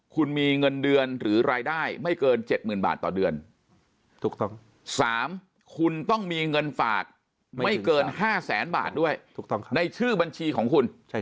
คุณมีเงินเดือนหรือรายได้ไม่เกิน๗๐๐๐บาทต่อเดือน๓คุณต้องมีเงินฝากไม่เกิน๕แสนบาทด้วยในชื่อบัญชีของคุณ